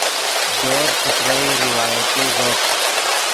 دورز ݯترئی روایتی زوپ